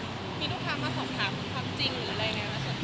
มีลูกค้ามาสอบถามความจริงหรืออะไรไหมคะ